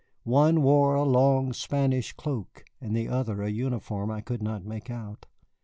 One wore a long Spanish cloak, and the other a uniform that I could not make out.